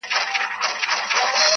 • همېشه رڼې اوبه پکښي بهاندي -